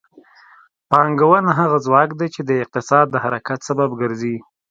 پانګونه هغه ځواک دی چې د اقتصاد د حرکت سبب ګرځي.